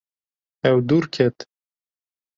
Ew dûr ket.